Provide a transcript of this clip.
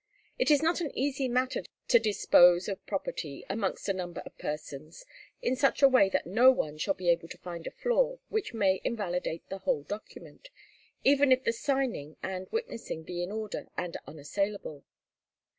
It is not an easy matter to dispose of property amongst a number of persons in such a way that no one shall be able to find a flaw which may invalidate the whole document, even if the signing and witnessing be in order and unassailable.